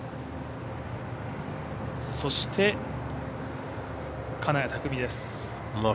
そして、金谷拓実です。